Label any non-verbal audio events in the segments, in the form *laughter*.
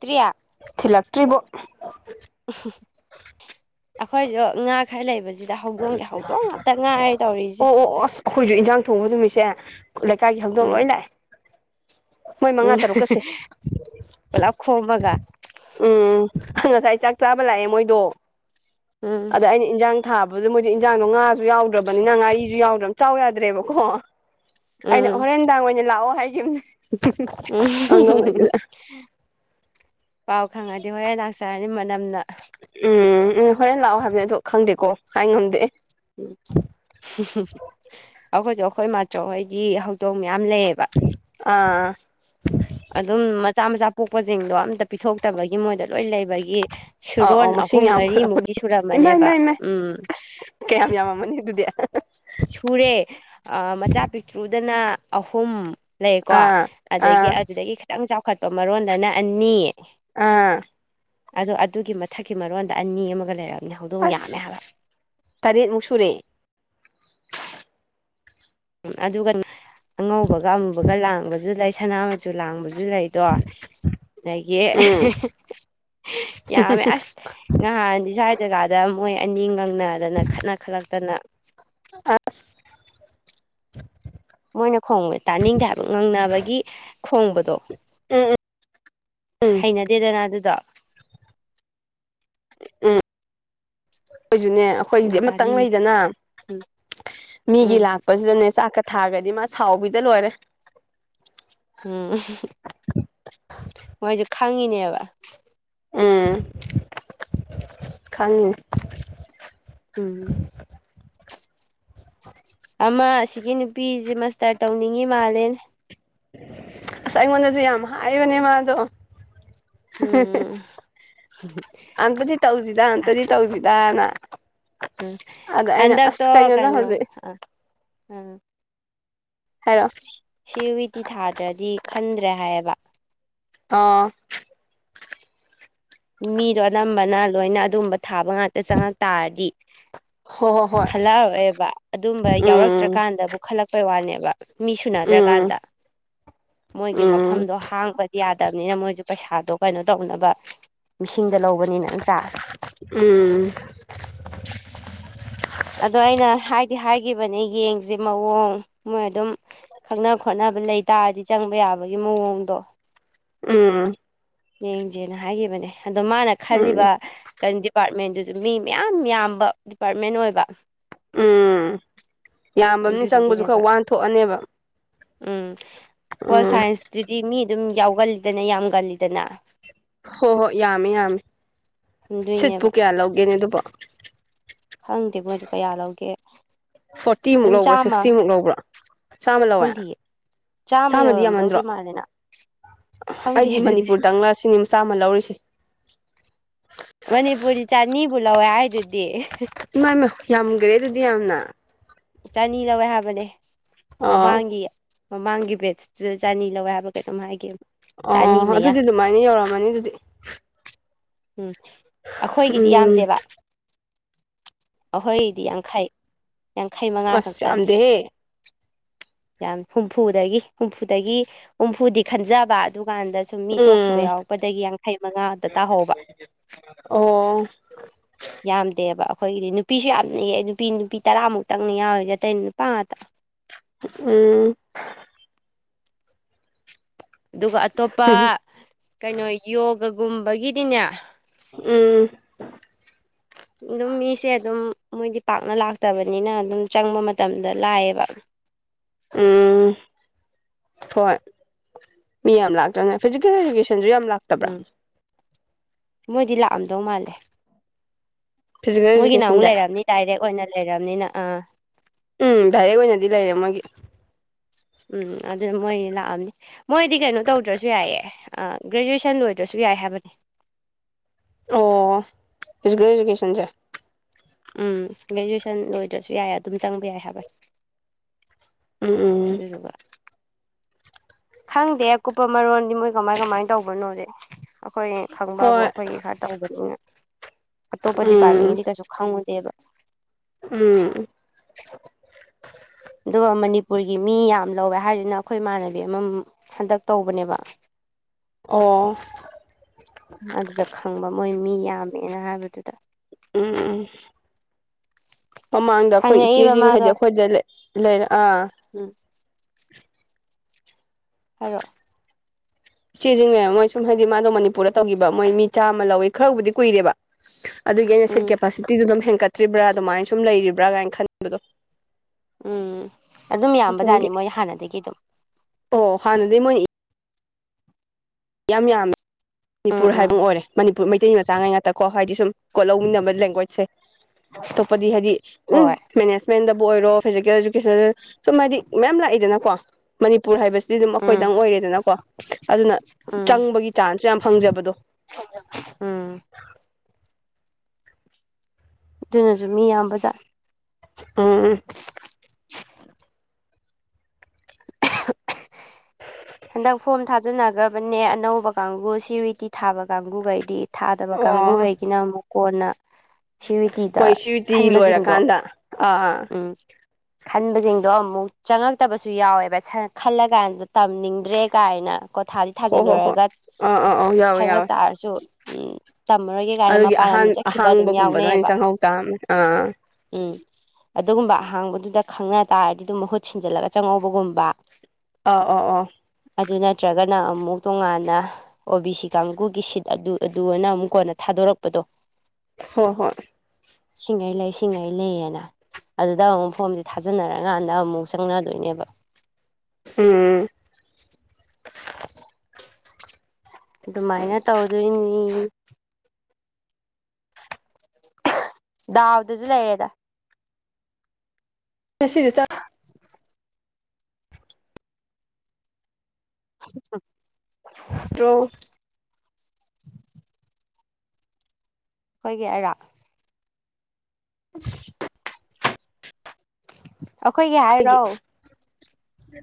ꯔꯤꯑ ꯊꯤꯜꯂꯛꯇ꯭ꯔꯤꯕꯣ ꯑꯩꯈꯣꯏꯖꯨ ꯉꯥ ꯈꯔ ꯂꯩꯕꯁꯤꯗ ꯍꯧꯗꯣꯡꯒꯤ ꯍꯧꯗꯣꯡ ꯉꯥꯛꯇ ꯉꯥꯏꯔꯦ ꯇꯧꯔꯤꯁꯦ ꯑꯣ ꯑꯣ ꯑꯣ ꯑꯁ ꯑꯩꯈꯣꯏꯁꯨ ꯏꯟꯖꯥꯡ ꯊꯣꯡꯕ ꯅꯨꯃꯤꯠꯁꯦ ꯂꯩꯀꯥꯏꯒꯤ ꯍꯧꯗꯣꯡ ꯎꯝ ꯂꯣꯏ ꯂꯥꯛꯑꯦ ꯃꯣꯏ ꯎꯝ ꯃꯉꯥ ꯇꯔꯨꯛꯀ ꯁꯨꯏ ꯄꯨꯂꯞ ꯈꯣꯝꯃꯒ ꯎꯝ ꯉꯁꯥꯏ ꯆꯥꯛ ꯆꯥꯕ ꯂꯥꯛꯑꯦ ꯃꯣꯏꯗꯣ ꯎꯝ ꯑꯗ ꯑꯩꯅ ꯏꯟꯖꯥꯡ ꯊꯥ ꯑꯗꯨꯗ ꯃꯣꯏꯗꯤ ꯏꯟꯖꯥꯡꯗꯣ ꯉꯥꯁꯨ ꯌꯥꯎꯗ꯭ꯔꯕꯅꯤꯅ ꯉꯥꯔꯤꯁꯨ ꯌꯥꯎꯗ꯭ꯔꯕ ꯆꯥꯎ ꯌꯥꯗ꯭ꯔꯦꯕꯀꯣ ꯑꯩꯅ ꯎꯝ ꯍꯣꯔꯦꯟꯅꯨꯡꯗꯥꯡ ꯑꯣꯏꯅ ꯂꯥꯛꯑꯣ ꯍꯥꯏꯈꯤꯝꯅꯦ ꯎꯝ ꯄꯥꯎ ꯈꯪꯉꯗꯤ ꯍꯣꯔꯦꯟ ꯂꯥꯛꯆꯔꯅꯤ ꯃꯅꯝꯅ ꯎꯝ ꯎꯝ ꯍꯣꯔꯦꯟ ꯂꯥꯛꯑꯣ ꯍꯥꯏꯕꯅꯦ ꯑꯗꯣ ꯈꯪꯗꯦꯀꯣ ꯍꯥꯏ ꯉꯝꯗꯦ ꯎꯝ ꯑꯩꯈꯣꯏꯁꯨ ꯑꯩꯈꯣꯏ ꯃꯥꯆꯧ ꯍꯣꯏꯒꯤ ꯍꯧꯗꯣꯡ ꯃꯌꯥꯝ ꯂꯩꯌꯦꯕ ꯑꯥ ꯑꯗꯨꯝ ꯃꯆꯥ ꯃꯆꯥ ꯄꯣꯛꯄꯁꯤꯡꯗꯣ ꯑꯝꯇ ꯄꯤꯊꯣꯛꯇꯕꯒꯤ ꯃꯣꯏꯗ ꯂꯣꯏ ꯂꯩꯕꯒꯤ ꯑꯧ ꯁꯨꯔꯣꯟ ꯑꯧ ꯃꯁꯤꯡ ꯑꯍꯨꯝ ꯌꯥꯝꯈꯠꯂꯛꯄꯗꯣ ꯃꯔꯤꯃꯨꯛꯇꯤ ꯏꯃꯥꯏ ꯁꯨꯔꯝꯃꯅꯦꯕ ꯏꯃꯥꯏ ꯏꯃꯥꯏ ꯎꯝ ꯑꯁ ꯀꯌꯥꯝ ꯌꯥꯝꯃꯝꯃꯅꯤ ꯑꯗꯨꯗꯤ ꯁꯨꯔꯦ ꯃꯆꯥ ꯄꯤꯛꯇ꯭ꯔꯨꯗꯅ ꯑꯍꯨꯝ ꯂꯩꯀꯣ ꯑꯥ ꯑꯗꯒꯤ ꯑꯥ ꯑꯗꯨꯗꯒꯤ ꯈꯤꯇꯪ ꯆꯥꯎꯈꯠꯄ ꯃꯔꯣꯟꯗꯅ ꯑꯅꯤ ꯑꯥ ꯑꯗꯣ ꯑꯗꯨꯒꯤ ꯃꯊꯛꯀꯤ ꯃꯔꯣꯟꯜꯗ ꯑꯅꯤ ꯑꯃꯒ ꯂꯩꯔꯕꯅꯤ ꯍꯧꯗꯣꯡ ꯌꯥꯝꯃꯦ ꯍꯥꯏꯕ ꯑꯁ ꯇꯔꯦꯠꯃꯨꯛ ꯁꯨꯔꯦ ꯎꯝ ꯑꯗꯨꯒ ꯑꯉꯧꯕꯒ ꯑꯃꯨꯕꯒ ꯂꯥꯡꯕꯁꯨ ꯂꯩ ꯁꯅꯥ ꯁꯨ ꯂꯥꯡꯕꯁꯨ ꯂꯩꯗꯣ ꯑꯗꯒꯤ ꯎꯝ ꯌꯥꯝꯃꯦ ꯑꯁ ꯅꯍꯥꯟ ꯏꯁꯋꯥꯏ ꯖꯒꯥꯗ ꯃꯣꯏ ꯑꯅꯤ ꯉꯪꯅꯗꯅ ꯈꯠꯅ ꯈꯠꯂꯛꯇꯅ ꯑꯁ ꯃꯣꯏꯅ ꯈꯣꯡꯕ ꯇꯥꯅꯤꯡꯗꯦ ꯍꯥꯏꯕ ꯉꯪꯅꯕꯒꯤ ꯈꯣꯡꯕꯗꯣ ꯎꯝ ꯎꯝ ꯎꯝ ꯍꯩꯅꯗꯦꯗꯅ ꯑꯗꯨꯗꯣ ꯎꯝ ꯑꯩꯖꯨꯅꯦ ꯑꯗꯨ ꯑꯩꯈꯣꯏꯗꯤ ꯑꯃꯇꯪ ꯇꯥꯅꯤꯡꯗꯦ ꯂꯩꯗꯅ ꯎꯝ ꯃꯤꯒꯤ ꯎꯝ ꯂꯥꯛ ꯄꯁꯤꯗꯅꯦ ꯆꯥꯛꯀ ꯊꯥꯔꯒꯗꯤ ꯃꯥ ꯁꯥꯎꯕꯗ ꯂꯣꯏꯔꯦ ꯎꯝ ꯃꯣꯏꯖꯨ ꯈꯪꯏꯅꯦꯕ ꯎ ꯈꯡ ꯎꯝ ꯑꯃ ꯑꯁꯤꯒꯤ ꯅꯨꯄꯤꯖꯦ ꯃꯥꯁꯇꯔ ꯇꯧꯅꯤꯡꯉꯤ ꯃꯥꯂꯦ ꯑꯁ ꯑꯩꯉꯣꯟꯗꯁꯨ ꯌꯥꯝ ꯍꯥꯏꯕꯅꯦ ꯃꯥꯗꯣ ꯎꯝ ꯑꯝꯇꯗꯤ ꯇꯧꯁꯤꯗ ꯑꯝꯇꯗꯤ ꯇꯧꯁꯤꯗꯅ ꯎꯝ ꯑꯗ ꯑꯩꯅ ꯍꯟꯗꯛꯇꯣ ꯑꯁ ꯀꯩꯅꯣꯗ ꯀꯩꯅꯣ ꯍꯧꯖꯤꯛ ꯑꯥ ꯎꯝ ꯍꯥꯏꯔꯣ ꯁꯤ ꯋꯤꯗꯤꯤ ꯊꯥꯗ꯭ꯔꯗꯤ ꯈꯟꯗ꯭ꯔꯦ ꯍꯥꯏꯌꯦꯕ ꯑ ꯃꯤꯗꯣ ꯑꯅꯝꯕꯅ ꯂꯣꯏꯅ ꯑꯗꯨꯕ ꯊꯥꯕ ꯉꯥꯛꯇ ꯆꯪꯉꯛ ꯇꯥꯔꯗꯤ ꯍꯣꯏ ꯍꯣꯏ ꯍꯣꯏ ꯈꯜꯂꯛꯑꯦꯕ ꯑꯗꯨꯝꯕ ꯎꯝ ꯌꯥꯎꯔꯛꯇ꯭ꯔꯀꯥꯟꯗꯕꯨꯛ ꯈꯠꯂꯛꯄꯩ ꯋꯥꯅꯦꯕ ꯃꯤ ꯎꯝ ꯁꯨꯅꯗ꯭ꯔꯀꯥꯟꯗ ꯃꯣꯏꯒꯤ ꯎꯝ ꯃꯐꯝꯗꯣ ꯍꯥꯡꯕ ꯌꯥꯗꯕꯅꯤꯅ ꯃꯣꯏꯁꯨ ꯄꯩꯁꯥꯗꯣ ꯀꯩꯅꯣ ꯇꯧꯅꯕ ꯃꯤꯁꯤꯡꯗ ꯂꯧꯕꯅꯤꯅ ꯅꯠꯇ꯭ꯔꯥ ꯎꯝ ꯑꯗꯣ ꯑꯩꯅ ꯍꯥꯏꯗꯤ ꯍꯥꯏꯈꯤꯕꯅꯦ ꯌꯦꯡꯁꯦ ꯃꯑꯣꯡ ꯃꯣꯏ ꯑꯗꯨꯝ ꯈꯪꯅ ꯈꯣꯠꯅꯕ ꯂꯩ ꯇꯥꯔꯗꯤ ꯆꯪꯕ ꯌꯥꯕꯒꯤ ꯃꯑꯣꯡꯗꯣ ꯎꯝ ꯌꯦꯡꯁꯦꯅ ꯍꯥꯏꯈꯤꯕꯅꯦ ꯑꯗꯣ ꯃꯥꯅ ꯎꯝ ꯈꯜꯂꯤꯕ ꯀ ꯗꯤꯄꯥꯔꯠꯃꯦꯟꯗꯨꯁꯨ ꯃꯤ ꯃꯌꯥꯝ ꯌꯥꯝꯕ ꯗꯤꯄꯥꯔꯠꯃꯦꯟ ꯑꯣꯏꯕ ꯎꯝ ꯌꯥꯝꯕꯅꯤ ꯆꯪꯕꯁꯨ ꯑꯗꯨꯗꯨꯒꯤꯅꯦꯕ ꯈꯔ ꯋꯥꯟꯊꯣꯛꯑꯅꯦꯕ ꯎꯝ ꯍꯣ ꯎꯝ ꯁꯥꯏꯟꯁꯇꯨꯗꯤ ꯃꯤ ꯑꯗꯨꯝ ꯌꯥꯎꯒꯜꯂꯤꯗꯅ ꯌꯥꯝꯒꯜꯂꯤꯗꯅ ꯍꯣꯏ ꯍꯣꯏ ꯌꯥꯝꯃꯤ ꯌꯥꯝꯃꯤ ꯁꯤꯠꯄꯨ ꯑꯗꯨꯏꯅꯦꯕ ꯀꯌꯥ ꯂꯧꯒꯦꯅꯦ ꯑꯗꯨꯕꯣ ꯈꯪꯗꯦ ꯃꯣꯏꯗꯤ ꯀꯌꯥ ꯂꯧꯒꯦ ꯐꯣꯔꯇꯤꯃꯨꯛ ꯑꯗꯨꯝ ꯂꯧꯕ꯭ꯔꯥ ꯆꯥꯝꯃ ꯁꯤꯛꯁꯇꯤꯃꯨꯛ ꯂꯧꯕ꯭ꯔꯥ ꯆꯥꯝꯃ ꯂꯧꯋꯦ ꯈꯪꯗꯦꯌꯦ ꯆꯥꯝꯃ ꯆꯥꯝꯃꯗꯤ ꯌꯥꯝꯃꯟꯗ꯭ꯔꯣ ꯌꯧꯔꯝꯗꯧꯗꯤ ꯃꯥꯜꯂꯦꯅ ꯈꯪꯗꯦ ꯑꯩꯗꯤ ꯑꯗꯨꯅꯦ ꯃꯅꯤꯄꯨꯔꯗꯪꯂ ꯁꯤꯅꯤꯆꯥꯝꯃ ꯂꯧꯔꯤꯁꯦ ꯃꯅꯤꯄꯨꯔꯤ ꯆꯅꯤꯕꯨ ꯂꯧꯋꯦ ꯍꯥꯏꯗꯨꯗꯤ ꯏꯝ ꯃꯥꯏ ꯌꯥꯝꯈ꯭ꯔꯦ ꯑꯗꯨꯗꯤ ꯌꯥꯝꯅ ꯆꯅꯤ ꯂꯧꯋꯦ ꯍꯥꯏꯕꯅꯦ ꯑꯣ ꯃꯃꯥꯡꯒꯤ ꯃꯃꯥꯡꯒꯤ ꯕꯦꯠꯁꯇꯨꯗ ꯆꯅꯤ ꯂꯧꯋꯦ ꯍꯥꯏꯕ ꯀꯩꯇꯝ ꯍꯥꯏꯒꯦ ꯑꯣ ꯑꯗꯨꯗꯤ ꯑꯗꯨꯃꯥꯏꯅ ꯌꯧꯔꯝꯃꯅꯤ ꯑꯗꯨꯗꯤ ꯎꯝ ꯑꯩꯈꯣꯏꯒꯤꯗꯤ ꯎꯝ ꯌꯥꯝꯗꯦꯕ ꯑꯩꯈꯣꯏꯗꯤ ꯌꯥꯡꯈꯩ ꯌꯥꯡꯈꯩ ꯃꯉꯥ ꯑꯁ ꯈꯛꯇꯅꯤ ꯌꯥꯝꯗꯦꯍꯦ ꯌꯥꯝ ꯍꯨꯝꯐꯨꯗꯒꯤ ꯍꯨꯝꯐꯨꯗꯒꯤ ꯍꯨꯝꯐꯨꯗꯤ ꯈꯟꯖꯕ ꯑꯗꯨꯀꯥꯟꯗ ꯁꯨꯝ ꯃꯤ ꯇꯣꯛꯈꯤꯕ ꯎꯝ ꯌꯥꯎꯔꯛꯄꯗꯒꯤ ꯌꯥꯡꯈꯩ ꯃꯉꯥꯗ ꯇꯥꯍꯧꯕ ꯑꯣ ꯌꯥꯝꯗꯦꯕ ꯑꯩꯈꯣꯏꯒꯤꯗꯤ ꯅꯨꯄꯤꯁꯨ ꯌꯥꯝꯅ ꯍꯦꯛ ꯅꯨꯄꯤ ꯅꯨꯄꯤ ꯇꯔꯥꯃꯨꯛꯇꯪꯅ ꯌꯥꯎꯋꯗꯇꯩꯩꯅ ꯅꯨꯄꯥ ꯉꯥꯛꯇ ꯎꯝ ꯑꯗꯨꯒ ꯑꯇꯣꯞꯄ ꯀꯩꯅꯣ ꯌꯣꯒꯒꯨꯝꯕꯒꯤꯗꯤꯅꯦ ꯎꯝ ꯑꯗꯨꯝ ꯃꯤꯁꯦ ꯑꯗꯨꯝ ꯃꯣꯏꯗꯤ ꯄꯥꯛꯅ ꯂꯥꯛꯇꯕꯅꯤꯅ ꯑꯗꯨꯝ ꯆꯪꯕ ꯃꯇꯝꯗ ꯂꯥꯛꯑꯦꯕ ꯎꯝ ꯍꯣꯏ ꯃꯤ ꯌꯥꯝ ꯂꯥꯛꯇ꯭ꯔꯅ ꯐꯤꯖꯤꯀꯦꯜ ꯏꯗꯨꯀꯦꯁꯟꯁꯨ ꯌꯥꯝ ꯂꯥꯛꯇ ꯎꯝ ꯃꯣꯏꯗꯤ ꯂꯥꯛꯑꯝꯗꯧ ꯃꯥꯜꯂꯦ ꯐꯤꯖꯤꯀꯦꯜ ꯃꯣꯏꯒꯤꯅ ꯑꯃꯨꯛ ꯏꯗꯨꯀꯦꯁꯟꯁꯦ ꯂꯩꯔꯝꯅꯤ ꯗꯥꯏꯔꯦꯛ ꯑꯣꯏꯅ ꯂꯩꯔꯕꯝꯅꯤꯅ ꯑꯥ ꯎꯝ ꯗꯥꯏꯔꯦꯛ ꯑꯣꯏꯅꯗꯤ ꯂꯩꯔꯦ ꯑꯃꯒꯤꯒꯤ ꯎꯝ ꯑꯗꯨꯅ ꯃꯣꯏ ꯂꯥꯛꯑꯅꯤ ꯃꯣꯏꯗꯤ ꯀꯩꯅꯣ ꯇꯧꯗ꯭ꯔꯁꯨ ꯌꯥꯏꯌꯦ ꯒ꯭ꯔꯦꯖꯨꯑꯦꯁꯟ ꯂꯣꯏꯗ꯭ꯔꯁꯨ ꯌꯥꯏ ꯍꯥꯏꯕꯅꯦ ꯑꯣ ꯏꯀ ꯑꯦꯖꯨꯀꯦꯁꯟꯁꯦ ꯎꯝ ꯒ꯭ꯔꯦꯖꯨꯋꯦꯁꯟ ꯂꯣꯏꯗ꯭ꯔꯁꯨ ꯌꯥꯏ ꯑꯗꯨꯝ ꯆꯪꯕ ꯌꯥꯏ ꯍꯥꯏꯕꯅꯤ ꯎꯝ ꯎꯝ ꯑꯗꯨꯗꯨꯒ ꯈꯪꯗꯦ ꯑꯀꯨꯞꯄ ꯃꯔꯣꯟꯗꯤ ꯃꯣꯏ ꯀꯃꯥꯏ ꯀꯃꯥꯏꯅ ꯇꯧꯕꯅꯣꯗꯤ ꯑꯩꯈꯣꯏ ꯈꯪꯕꯕꯨ ꯍꯣꯏ ꯑꯩꯈꯣꯏꯒꯤ ꯈꯔ ꯇꯧꯕꯅꯤꯅ ꯑꯇꯣꯞꯄ ꯎꯝ ꯗꯤꯄꯥꯔꯠꯃꯦꯟꯒꯤꯗꯤ ꯀꯩꯁꯨ ꯈꯪꯉꯨꯗꯦꯕ ꯎꯝ ꯑꯗꯨꯒ ꯃꯅꯤꯄꯨꯔꯒꯤ ꯃꯤ ꯌꯥꯝ ꯂꯧꯋꯦ ꯍꯥꯏꯁꯤꯅ ꯑꯩꯈꯣꯏ ꯏꯃꯥꯟꯅꯕꯤ ꯑꯃ ꯍꯟꯗꯛ ꯇꯧꯕꯅꯦꯕ ꯑꯣ ꯑꯗꯨꯗ ꯈꯪꯕ ꯃꯣꯏ ꯃꯤ ꯌꯥꯝꯃꯦꯅ ꯍꯥꯏꯕꯗꯨꯗ ꯎꯝ ꯎꯝ ꯃꯃꯥꯡꯗ ꯑꯩꯈꯣꯏ ꯍꯪꯉꯛꯏꯕ ꯏꯆꯦꯁꯤꯡ ꯍꯥꯏꯗꯤ ꯃꯥꯗꯣ ꯑꯩꯈꯣꯏꯗ ꯂꯩꯔ ꯑꯥ ꯎꯝ ꯍꯥꯏꯔꯛꯑꯣ ꯏꯆꯦꯁꯤꯡꯅꯦꯕ ꯃꯣꯏ ꯁꯨꯝ ꯍꯥꯏꯗꯤ ꯃꯥꯗꯣ ꯃꯅꯤꯄꯨꯔꯗ ꯇꯧꯈꯤꯕ ꯃꯣꯏ ꯃꯤ ꯆꯥꯃ ꯂꯧꯋꯤ ꯈꯔꯕꯨꯗꯤ ꯀꯨꯏꯔꯦꯕ ꯑꯗꯨꯒꯤ ꯑꯩꯅ ꯁꯤꯠ ꯎꯝ ꯀꯦꯄꯥꯁꯤꯇꯤꯗꯨ ꯑꯗꯨꯝ ꯍꯦꯟꯒꯠꯇ꯭ꯔꯤꯕ꯭ꯔꯥ ꯑꯗꯨꯃꯥꯏꯅ ꯁꯨꯝ ꯂꯩꯔꯤꯕ꯭ꯔꯥ ꯀꯥꯏꯅ ꯈꯟꯕꯗꯣ ꯎꯝ ꯑꯗꯨꯝ ꯌꯥꯝꯕ ꯖꯥꯠꯅꯤ ꯑꯗꯨꯒꯤ ꯃꯣꯏ ꯍꯥꯟꯅꯗꯒꯤ ꯑꯗꯨꯝ ꯑꯣ ꯍꯥꯟꯅꯗꯤ ꯃꯣꯏ ꯌꯥꯝ ꯌꯥꯝꯃꯦ ꯎꯝ ꯃꯅꯤꯄꯨꯔ ꯎꯝ ꯍꯥꯏꯕ ꯑꯃ ꯑꯣꯏꯔꯦ ꯃꯅꯤꯄꯨꯔ ꯃꯩꯇꯩ ꯃꯆꯥꯉꯩ ꯉꯥꯛꯇꯀꯣ ꯍꯥꯏꯗꯤ ꯁꯨꯝ ꯀꯣꯠ ꯂꯧꯃꯤꯟꯅꯕ ꯂꯦꯡꯒ꯭ꯋꯦꯖꯁꯦ ꯇꯣꯞꯄꯗꯤ ꯍꯥꯏꯗꯤ ꯎꯝ ꯍꯣꯏ ꯃꯦꯅꯦꯖꯃꯦꯟꯗꯕꯨ ꯑꯣꯏꯔꯣ ꯐꯤꯖꯤꯀꯦꯜ ꯏꯗꯨꯀꯦꯁꯟ ꯁꯨꯝ ꯍꯥꯏꯗꯤ ꯃꯌꯥꯝ ꯂꯥꯛꯏꯗꯅꯀꯣ ꯃꯅꯤꯄꯨꯔ ꯍꯥꯏꯕꯁꯤꯗꯤ ꯑꯗꯨꯝ ꯎꯝ ꯑꯩꯈꯣꯏꯗꯪ ꯑꯣꯏꯔꯦꯗꯅꯀꯣ ꯑꯗꯨꯅ ꯎꯝ ꯆꯪꯕꯒꯤ ꯆꯥꯟꯁꯁꯨ ꯌꯥꯝ ꯐꯪꯖꯕꯗꯣ ꯎꯝ ꯑꯗꯨꯅꯁꯨ ꯃꯤ ꯌꯥꯝꯕꯖꯥꯠ ꯑꯥ ꯍꯟꯗꯛ ꯐꯣꯝ ꯊꯥ ꯐꯖꯅꯈ꯭ꯔꯕꯅꯦ ꯑꯅꯧꯕ ꯀꯥꯡꯕꯨ ꯁꯤ ꯋꯤ ꯇꯤ ꯊꯥꯕ ꯀꯥꯡꯕꯨꯈꯩꯗꯤ ꯊꯥꯗꯕ ꯑꯣ ꯀꯥꯡꯕꯨꯈꯩꯒꯤꯅ ꯑꯃꯨꯛ ꯀꯣꯟꯅ ꯁꯤꯋꯤꯇꯤꯗ ꯍꯣꯏ ꯁꯤꯗꯤ ꯈꯟꯕꯁꯤꯡꯗꯣ ꯂꯣꯏꯔꯀꯥꯟꯗ ꯑꯥ ꯎꯝ ꯈꯟꯕꯁꯤꯡꯗꯣ ꯑꯃꯨꯛ ꯆꯪꯉꯛꯇꯕꯁꯨ ꯌꯥꯎꯋꯦꯕ ꯈꯜꯂ ꯀꯥꯟꯗ ꯇꯝꯅꯤꯡ ꯇꯥꯝꯅꯤꯗꯔꯦ ꯀꯥꯏꯅ ꯀꯣꯊꯥꯗꯤ ꯍꯣ ꯍꯣ ꯍꯣꯏ ꯊꯥꯖꯤꯜꯂꯣꯏꯨꯔꯒ ꯑꯥ ꯑꯥ ꯑꯥ ꯌꯥꯎꯋꯦ ꯐꯔꯥꯛ ꯌꯥꯎꯋꯦ ꯇꯥꯔꯁꯨ ꯎꯝ ꯇꯝꯃꯔꯣꯏꯒꯦ ꯀꯥꯏꯅ ꯃꯄꯥꯟ ꯂꯝꯗ ꯆꯠꯈꯤꯕ ꯑꯗꯨꯝ ꯌꯥꯎꯅꯩꯑꯌꯦꯕ ꯇ ꯑꯥ ꯎꯝ ꯑꯗꯨꯒꯨꯝꯕ ꯑꯍꯥꯡꯕꯗꯨꯗ ꯈꯪꯅ ꯇꯥꯔꯗꯤ ꯑꯗꯨꯝ ꯃꯍꯨꯠ ꯁꯤꯟꯖꯜꯂꯒ ꯆꯪꯉꯧꯕꯒꯨꯝꯕ ꯑꯥ ꯑꯣ ꯑꯣ ꯑꯗꯨ ꯅꯠꯇ꯭ꯔꯒꯅ ꯑꯃꯨꯛ ꯇꯣꯉꯥꯟꯅ ꯑꯣ ꯕꯤ ꯁꯤ ꯀꯥꯡꯒꯨꯒꯤ ꯁꯤꯠ ꯑꯗꯨ ꯑꯗꯨꯅ ꯑꯃꯨꯛ ꯀꯣꯟꯅ ꯊꯥꯗꯣꯔꯛꯄꯗꯣ ꯍꯣꯏ ꯍꯣꯏ ꯁꯤꯡꯉꯩ ꯂꯩ ꯁꯤꯡꯉꯩ ꯂꯩꯌꯦꯅ ꯑꯗꯨꯗ ꯑꯃꯨꯛ ꯐꯣꯝꯁꯦ ꯊꯥꯖꯅꯔꯀꯥꯟꯗ ꯑꯃꯨꯛ ꯆꯪꯅꯗꯣꯏꯅꯦꯕ ꯎꯝ ꯑꯗꯨꯃꯥꯏꯅ ꯇꯧꯗꯣꯏꯅꯤ ꯗꯥꯎꯗꯖꯨ ꯂꯩꯔꯦꯗ ꯉꯁꯤꯆꯦ ꯆꯥ ꯎ *inaudible* *unintelligible* ꯄ꯭ꯔꯣ ꯑꯩꯈꯣꯏꯒꯤ ꯑꯔꯥꯛ ꯎ ꯑꯩꯈꯣꯏꯒꯤ ꯍꯥꯏꯔꯣ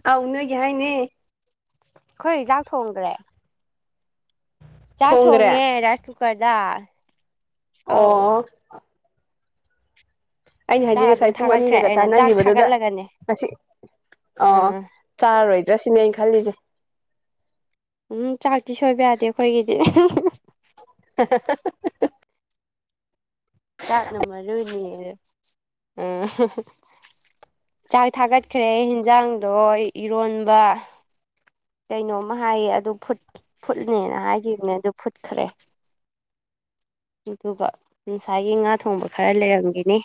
ꯑꯥꯎꯅꯒꯦ ꯍꯥꯏꯅꯦ ꯑꯩꯈꯣꯏ ꯔꯤꯖꯥꯛ ꯊꯣꯡꯗ꯭ꯔꯦ ꯆꯥꯛ ꯊꯣꯡꯈ꯭ꯔꯦ ꯊꯣꯡꯉꯦ ꯔꯥꯏꯁ ꯀꯨꯀꯔꯗ ꯑꯧ ꯑꯣ ꯑꯩꯅ ꯆꯥꯛ ꯍꯥꯏꯅꯤꯡ ꯑꯗꯨꯝ ꯉꯁꯥꯏ ꯄꯨꯡ ꯊꯥꯒꯠꯈ꯭ꯔꯦ ꯑꯅꯤꯗꯒ ꯑꯩꯅ ꯆꯥꯛ ꯇꯥꯅꯈꯤꯕꯗꯨꯗ ꯊꯥꯒꯠꯂꯒꯅꯦ ꯉꯁꯤ ꯑ ꯑꯥ ꯆꯥꯔꯣꯏꯗ꯭ꯔꯥ ꯁꯤꯅꯤ ꯑꯩꯅ ꯈꯜꯂꯤꯁꯦ ꯎꯝ ꯆꯥꯛꯇꯤ ꯁꯣꯏꯕ ꯌꯥꯗꯦ ꯑꯩꯈꯣꯏꯒꯤꯗꯤ *inaudible* ꯆꯥꯛꯅ ꯃꯔꯨꯅꯤ ꯆꯥꯛ ꯊꯥꯒꯠꯈ꯭ꯔꯦ ꯍꯤꯟꯖꯥꯡꯗꯣ ꯏꯔꯣꯟꯕ ꯀꯩꯅꯣꯝꯃ ꯍꯥꯏꯌꯦ ꯑꯗꯨ ꯐꯨꯠꯅꯦꯅ ꯍꯥꯏꯈꯤꯕꯅꯦ ꯑꯗꯨ ꯐꯨꯠꯈ꯭ꯔꯦ ꯑꯗꯨꯒ ꯉꯁꯥꯏꯒꯤ ꯉꯥ ꯊꯣꯡꯕ ꯈꯔ ꯂꯩꯔꯝꯈꯤꯅꯤ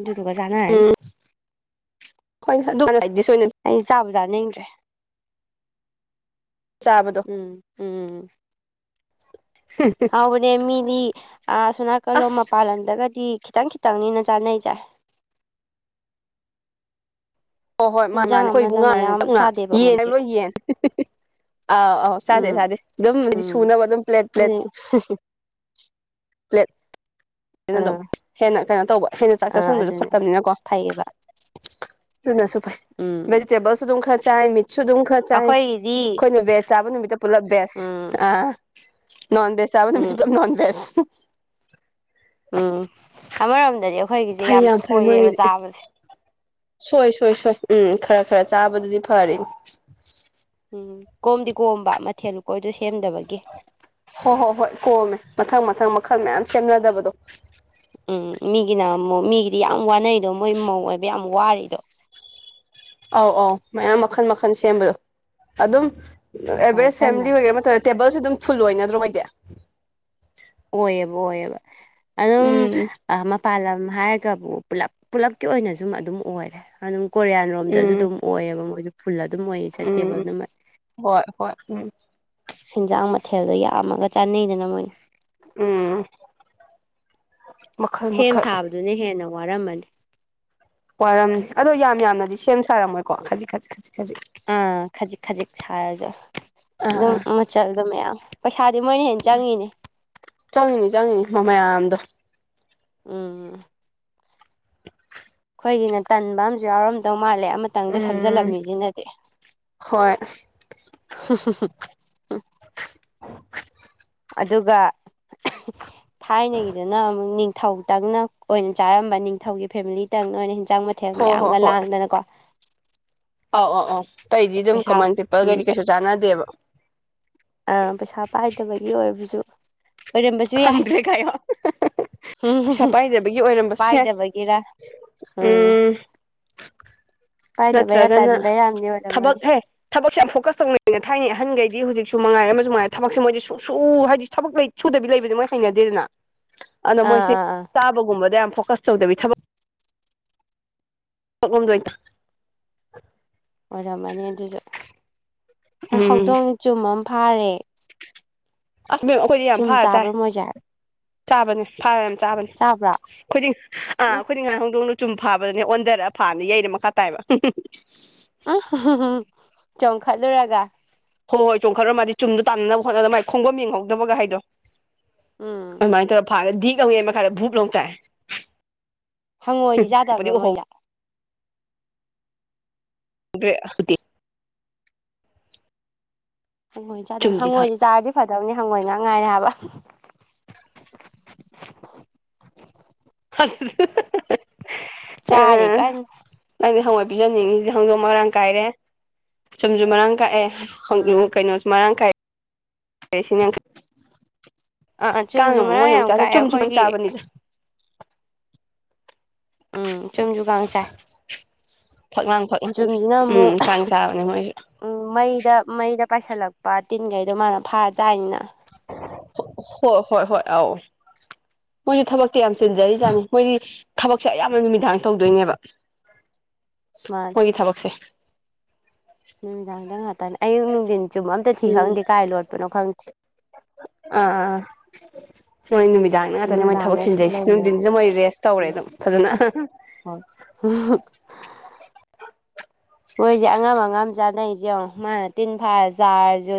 ꯑꯗꯨ ꯗꯨꯒ ꯆꯅꯔꯅꯤ ꯎꯝ ꯍꯣꯏ ꯑꯗꯨ ꯁꯣꯏꯗꯤꯁ ꯑꯣꯢꯅꯅꯤ ꯑꯩ ꯆꯥꯕꯨ ꯆꯥꯅꯤꯡꯗ꯭ꯔꯦ ꯆꯥꯕꯗꯣ ꯎꯝ ꯎꯝ ꯍꯥꯎꯕꯅꯦ ꯃꯤꯗꯤ ꯑ ꯁꯣꯅꯥꯀꯜꯂꯣꯝ ꯃꯄꯥꯟ ꯑꯁ ꯂꯣꯝꯗꯒꯗꯤ ꯈꯤꯇꯪ ꯈꯤꯇꯪꯅꯤꯅ ꯆꯥꯅꯩꯁꯦ ꯍꯣ ꯍꯣꯏ ꯃꯥꯅꯤ ꯃꯥꯅꯤ ꯏꯟꯖꯥꯡ ꯑꯩꯈꯣꯏꯕꯨ ꯑꯃꯗ ꯉꯥ ꯃꯌꯥꯝ ꯇꯞ ꯉꯥ ꯆꯥꯗꯦꯕ ꯌꯦꯟꯅ ꯃꯣꯏꯗꯤ ꯂꯣꯏ ꯌꯦꯟ ꯑꯥꯎ ꯑꯥꯎ ꯁꯥꯗꯦ ꯎꯝ ꯁꯥꯗꯦ ꯑꯗꯨꯝ ꯍꯥꯏꯗꯤ ꯎꯝ ꯁꯨꯅꯕ ꯑꯗꯨꯝ ꯄ꯭ꯂꯦꯠ ꯄ꯭ꯂꯦꯠ *inaudible* ꯄ꯭ꯂꯦꯠ ꯑꯗꯨꯝ ꯑꯥ ꯍꯦꯟꯅ ꯀꯩꯅꯣ ꯇꯧꯕ ꯍꯦꯟꯅ ꯆꯥꯛ ꯆꯁꯤꯟꯕꯗꯣ ꯐꯠꯇꯕꯅꯤꯅꯀꯣ ꯀꯩꯑꯕ ꯑꯗꯨꯅꯁꯨ ꯐꯩ ꯚꯦꯖꯤꯇꯦꯕꯜꯁꯨ ꯑꯗꯨꯝ ꯈꯔ ꯆꯥꯏ ꯃꯤꯠꯁꯨ ꯑꯗꯨꯝ ꯈꯔ ꯆꯥꯏ ꯑꯩꯈꯣꯏꯒꯤꯗꯤ ꯑꯩꯈꯣꯏꯅ ꯕꯦꯖ ꯆꯥꯕ ꯅꯨꯃꯤꯠꯇ ꯄꯨꯂꯞ ꯚꯦꯖ ꯎꯝ ꯑ ꯅꯣꯟꯚꯦꯖ ꯆꯥꯕ ꯅꯨꯃꯤꯠꯇ ꯎꯝ ꯄꯨꯂꯞ ꯅꯣꯟꯚꯦꯖ ꯎꯝ ꯑꯃꯔꯣꯝꯗꯗꯤ ꯑꯩꯈꯣꯏꯒꯤꯁꯦ ꯐꯩ ꯌꯥꯝ ꯐꯩ ꯁꯣꯏꯔꯦꯕ ꯃꯣꯏꯒꯤꯗꯤ ꯆꯥꯕꯁꯦ ꯁꯣꯏ ꯁꯣꯏ ꯁꯣꯏ ꯎꯝ ꯈꯔ ꯈꯔ ꯆꯥꯕꯗꯨꯗꯤ ꯐꯔꯦꯅꯦ ꯎꯝ ꯀꯣꯝꯗꯤ ꯀꯣꯝꯕ ꯃꯊꯦꯜ ꯂꯨ ꯀꯣꯏꯗꯣ ꯁꯦꯝꯗꯕꯒꯤ ꯍꯣ ꯍꯣ ꯍꯣꯏ ꯀꯣꯝꯃꯦ ꯃꯊꯪ ꯃꯊꯪ ꯃꯈꯜ ꯃꯌꯥꯝ ꯁꯦꯝꯅꯗꯕꯗꯣ ꯎꯝ ꯃꯤꯒꯤꯅ ꯑꯃꯨꯛ ꯃꯤꯒꯤꯗꯤ ꯌꯥꯝ ꯋꯥꯅꯩꯗꯣ ꯃꯣꯏ ꯃꯧ ꯑꯣꯏꯕ ꯌꯥꯝ ꯋꯥꯔꯤꯗꯣ ꯑꯧ ꯑꯧ ꯃꯌꯥꯝ ꯃꯈꯟ ꯃꯈꯟ ꯁꯦꯝꯕꯗꯣ ꯑꯗꯨꯝ ꯍꯣꯏ ꯑꯦꯚꯔꯦꯖ ꯇꯟꯅ ꯐꯦꯃꯤꯂꯤ ꯑꯣꯏꯒꯦꯔꯥ ꯃꯇꯝ ꯇꯦꯕꯜꯁꯦ ꯑꯗꯨꯝ ꯐꯨꯜ ꯑꯣꯏꯅꯗ꯭ꯔꯣ ꯑꯣꯏꯗꯤ ꯑꯣꯏꯌꯦꯕ ꯑꯣꯏꯌꯦꯕ ꯑꯗꯨꯝ ꯎꯝ ꯃꯄꯥꯟ ꯂꯝ ꯍꯥꯏꯔ ꯀꯕꯨ ꯄꯨꯂꯞ ꯄꯨꯜꯂꯞꯀꯤ ꯑꯣꯏꯅ ꯖꯨꯝ ꯑꯗꯨꯝ ꯑꯣꯏꯔꯦ ꯑꯗꯨꯝ ꯀꯣꯔꯤꯌꯥꯟꯔꯣꯝꯗꯁꯨ ꯎꯝ ꯑꯗꯨꯝ ꯑꯣꯏꯌꯦꯕ ꯃꯣꯏꯁꯨ ꯐꯨꯜ ꯑꯗꯨꯝ ꯑꯣꯏꯌꯦ ꯆꯠꯇꯦꯕꯜ ꯎꯝ ꯑꯗꯨꯃ ꯍꯣꯏ ꯍꯣꯏ ꯎꯝ ꯁꯦꯟꯖꯥꯡ ꯃꯊꯦꯜꯗꯣ ꯌꯥꯝꯃꯒ ꯆꯥꯅꯩꯗꯅ ꯃꯣꯏꯅ ꯎꯝ ꯃꯈꯜ ꯁꯦꯝ ꯃꯈꯜ ꯁꯥꯕꯗꯨꯅ ꯍꯦꯟꯅ ꯋꯥꯔꯝꯃꯅꯤ ꯋꯥꯔꯝꯅꯤ ꯑꯗꯣ ꯌꯥꯝ ꯌꯥꯝꯅꯗꯤ ꯁꯦꯝ ꯁꯥꯔꯝꯃꯣꯏꯀꯣ ꯈꯖꯤꯛ ꯈꯖꯤꯛ ꯈꯖꯤꯛ ꯈꯖꯤꯛ ꯑꯥ ꯈꯖꯤꯛ ꯈꯖꯤꯛ ꯁꯥꯔꯁꯨ ꯑꯥ ꯑꯗꯨꯝ ꯑꯥ ꯃꯆꯜ ꯑꯗꯨꯝ ꯃꯌꯥꯝ ꯄꯩꯁꯥꯗꯤ ꯃꯣꯏꯅ ꯍꯦꯟꯅ ꯆꯪꯉꯤꯅꯦ ꯆꯪꯉꯤꯅꯤ ꯆꯪꯉꯤꯅꯤ ꯃ ꯃꯌꯥꯝꯗꯣ ꯎꯝ *inaudible* ꯑꯩꯈꯣꯏꯒꯤꯅ ꯇꯟꯕ ꯑꯝꯨ ꯌꯥꯎꯔꯝꯗꯧ ꯃꯥꯜꯂꯦ ꯑꯃꯇꯪꯗ ꯎꯝ ꯁꯝꯖꯜꯂꯝꯃꯤꯁꯤꯅꯗꯤ ꯍꯣꯏ ꯍ ꯍ ꯍ ꯑꯗꯨꯒ *unintelligible* *inaudible* ꯊꯥꯏꯅꯒꯤꯗꯨꯅ ꯑꯃꯨꯛ ꯅꯤꯡꯊꯧꯇꯪꯅ ꯑꯣꯏꯅ ꯆꯥꯔꯝꯕ ꯅꯤꯡꯊꯧꯒꯤ ꯐꯦꯃꯤꯂꯤꯇꯪꯅ ꯑꯣꯏꯅ ꯍꯟꯖꯥꯡ ꯃꯊꯦꯜ ꯃꯊꯦꯜ ꯍꯣ ꯍꯣ ꯃꯌꯥꯝꯒ ꯍꯣꯏ ꯂꯥꯡꯗꯅꯀꯣ ꯑꯧ ꯑꯧ ꯑꯧ ꯑꯇꯩꯗꯤ ꯑꯗꯨꯝ ꯄꯩꯁꯥ ꯀꯃꯟ ꯎꯝ ꯄꯤꯄꯜꯒꯩꯗꯤ ꯀꯩꯁꯨ ꯆꯥꯟꯅꯗꯦꯕ ꯑꯥ ꯄꯩꯁꯥ ꯄꯥꯏꯗꯕꯒꯤ ꯑꯣꯏꯕꯁꯨ ꯑꯣꯏꯔꯝꯕꯁꯨ ꯌꯥꯏ ꯈꯪꯗ꯭ꯔꯦ ꯀꯥꯢ ꯍꯥꯢꯌꯣ ꯄꯩꯁꯥ ꯄꯥꯏꯗꯕꯒꯤ ꯑꯣꯏꯔꯝꯕꯁꯨ ꯌꯥꯏ ꯄꯥꯏꯗꯕꯒꯤꯔ ꯎꯝ ꯄꯥꯏꯗꯕꯩꯔꯥ ꯅꯠꯇ꯭ꯔꯒꯅ ꯇꯟꯕꯩꯔꯥꯝꯗꯤ ꯊꯕꯛ ꯑꯣꯏꯔꯝꯃꯅꯤ ꯍꯦ ꯊꯕꯛꯁꯦ ꯌꯥꯝ ꯐꯣꯀꯁ ꯇꯧꯅꯩꯅ ꯊꯥꯏꯅꯩ ꯑꯍꯟꯈꯩꯗꯤ ꯍꯧꯖꯤꯛꯁꯨ ꯃꯉꯥꯏꯔꯦ ꯑꯃꯁꯨ ꯃꯉꯥꯏꯔꯦ ꯊꯕꯛ ꯃꯣꯏꯗꯤ ꯁꯨꯡꯁꯨ ꯍꯥꯏꯗꯤ ꯊꯕꯛꯂꯩ ꯁꯨꯗꯕꯤ ꯂꯩꯕꯗ ꯃꯣꯏ ꯍꯩꯅꯗꯦꯗꯅ ꯑꯅ ꯑꯥ ꯃꯣꯏꯁꯦ ꯑꯥ ꯑꯥ ꯆꯥꯕꯒꯨꯝꯕꯗ ꯌꯥꯝ ꯐꯣꯀꯁ ꯇꯧꯗꯕꯤ ꯊꯕꯛ ꯊꯣꯛꯣꯛꯂꯝꯝꯗꯣꯏꯗ ꯑꯣꯏꯔꯝꯃꯅꯤ ꯑꯗꯨꯁꯨ ꯎꯝ ꯍꯧꯗꯣꯡꯅ ꯆꯨꯝ ꯑꯃ ꯐꯥꯔꯦ ꯑꯁꯕꯦꯝ ꯑꯩꯈꯣꯏꯗꯤ ꯌꯥꯝ ꯆꯨꯝ ꯐꯔ ꯆꯥꯏ ꯆꯥꯕ꯭ꯔꯣ ꯃꯣꯏꯁꯦ ꯆꯥꯕꯅꯤ ꯐꯥꯔ ꯌꯥꯝ ꯆꯥꯕꯅꯤ ꯆꯥꯕ꯭ꯔꯥ ꯑꯩꯈꯗꯤꯡ ꯑꯥ ꯎꯝ ꯈꯨꯗꯤ ꯉꯥꯏ ꯍꯧꯣꯡꯗꯣꯡꯅꯆꯨꯝ ꯐꯥꯕꯗꯅꯦ ꯑꯣꯟꯊꯔꯛ ꯐꯥꯅꯤ ꯌꯩꯩꯅ ꯃꯈꯥ ꯇꯥꯏꯕ *unintelligible* ꯑ ꯆꯣꯡꯈꯠꯂꯨꯔꯒ ꯍꯣꯏ ꯍꯣꯏ ꯆꯣꯡꯈꯠꯔ ꯃꯥꯗꯤꯨꯝꯗ ꯇꯥꯟꯅꯅꯕ ꯍꯣꯠꯅꯕ ꯃꯥꯏ ꯈꯣꯡꯕꯝ ꯌꯦꯡꯍꯧꯗꯕꯒ ꯍꯥꯏꯗꯣ ꯎꯝ ꯑꯗꯨꯃꯥꯏꯅ ꯇꯧꯔꯒ ꯐꯥꯔ ꯙꯤ ꯀꯧꯉ ꯃꯈꯥꯗ ꯚꯨꯛ ꯂ ꯂꯧ ꯇꯥꯏ ꯍꯪꯉꯣꯏꯗꯤ ꯑꯗꯩ ꯌꯥꯗꯕ꯭ꯔꯣ ꯃꯣꯏꯁꯦ *unintelligible* ꯍꯪꯉꯣꯏ ꯆꯥ ꯑꯗꯨ ꯆꯨꯝꯗꯤ ꯈꯪ ꯍꯪꯉꯣꯏꯁꯦ ꯆꯥꯔꯗꯤ ꯐꯗꯕꯅꯤ ꯍꯪꯉꯣꯏ ꯉꯥꯡ ꯉꯥꯏꯔꯦ ꯍꯥꯏꯕ ꯑꯁ ꯆꯔ ꯀꯥꯏ ꯅꯪꯗꯤ ꯍꯪꯋꯥꯏ ꯄꯤꯖꯅꯤꯡꯉꯤꯁꯤꯗꯤ ꯍꯧꯗꯣꯛ ꯃꯔꯥꯡ ꯀꯥꯏꯔꯦ ꯆꯨꯝꯁꯨ ꯃꯔꯥꯡ ꯀꯥꯏꯑꯦ ꯎꯝ ꯀꯩꯅꯣꯁꯨ ꯃꯔꯥꯡ ꯀꯥꯏ ꯁꯤ ꯑꯥ ꯆꯨꯝꯁꯨ ꯑꯃꯨꯛ ꯃꯔꯥ ꯃꯣꯏ ꯑꯃꯨꯛ ꯌꯥꯝ ꯆꯥꯁꯦ ꯀꯥꯏꯑꯦ ꯆꯨꯝꯁꯨ ꯀꯥꯡ ꯑꯩꯈꯣꯏꯒꯤ ꯆꯥꯕꯅꯤꯗ ꯎꯝ ꯆꯨꯝꯁꯨꯨ ꯀꯥꯡ ꯆꯥꯏ ꯐꯛꯂꯥꯡ ꯐꯛꯥꯡ ꯆꯨꯝꯁꯤꯅ ꯎꯝ ꯑꯃꯨꯛ ꯀꯥꯡ ꯆꯥꯕꯅꯦ ꯃꯣꯏꯁꯨ ꯎꯝ ꯃꯩꯗ ꯃꯩꯗ ꯄꯥꯏꯁꯤꯜꯂꯛꯄ ꯇꯤꯟꯈꯩꯗꯣ ꯃꯥꯅ ꯐꯥꯔ ꯆꯥꯅꯤꯅ ꯍꯣꯏ ꯍꯣꯏ ꯍꯣꯏ ꯑꯥꯎ ꯃꯣꯏꯁꯨ ꯊꯕꯛꯇꯤ ꯌꯥꯝ ꯆꯤꯟꯖꯔꯤꯖꯥꯠꯅꯤ ꯃꯣꯏꯗꯤ ꯊꯕꯛꯁꯦ ꯑꯌꯥꯝꯅ ꯅꯨꯃꯤꯗꯥꯡ ꯇꯧꯗꯣꯏꯅꯦꯕ ꯃꯥꯅꯦ ꯃꯣꯏꯒꯤ ꯊꯕꯛꯁꯦ ꯅꯨꯃꯤꯗꯥꯡꯗ ꯉꯥꯛꯇꯅꯤ ꯑꯌꯨꯛ ꯅꯨꯡꯊꯤꯟ ꯆꯨꯝꯕ ꯑꯝꯇ ꯊꯤ ꯎꯝ ꯈꯪꯗꯦ ꯀꯥꯏ ꯂꯣꯠꯄꯅꯣ ꯈꯪꯗꯦ ꯑꯥ ꯑꯥ ꯑꯥ ꯃꯣꯏ ꯅꯨꯃꯤꯗꯥꯡ ꯉꯥꯛꯇꯅꯦ ꯃꯣꯏ ꯊꯕꯛ ꯅꯨꯡꯗꯥꯡꯗ ꯁꯤꯟꯖꯩꯁꯤ ꯊꯣꯛꯂꯛꯏꯅ ꯅꯨꯡꯊꯤꯟꯁꯤꯗ ꯃꯣꯏ ꯔꯦꯁ ꯇꯧꯔꯦ ꯑꯗꯨꯝ ꯐꯖꯅ ꯎꯝꯍꯝ ꯃꯣꯏꯁꯦ ꯑꯉꯝ ꯑꯉꯝ ꯆꯥꯅꯩꯁꯦꯡꯉ ꯃꯥꯅ ꯇꯤꯟ ꯐꯥꯔ ꯆꯥꯔꯁꯨ